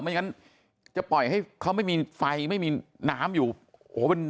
ไม่งั้นจะปล่อยให้เขาไม่มีไฟไม่มีน้ำอยู่โหมัน